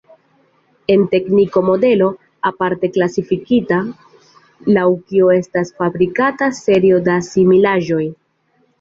En tekniko modelo, aparte klasifikita, laŭ kiu estas fabrikata serio da similaĵoj.